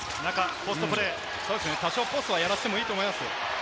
多少ポストはやらせてもいいと思いますよ。